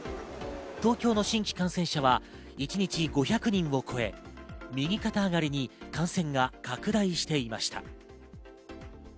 東京の新規感染者は一日５００人を超え右肩上がりに感染が拡大していました。